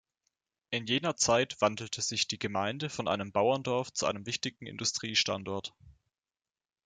In jener Zeit wandelte sich die Gemeinde von einem Bauerndorf zu einem wichtigen Industriestandort.